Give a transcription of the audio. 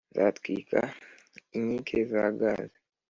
nzatwika inkike za Gaza,